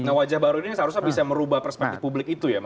nah wajah baru ini seharusnya bisa merubah perspektif publik itu ya mas